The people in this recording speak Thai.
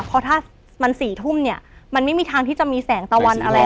เพราะถ้ามัน๔ทุ่มเนี่ยมันไม่มีทางที่จะมีแสงตะวันอะไร